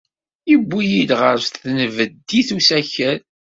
Yewwi-iyi-d ɣer tenbeddit n usakal.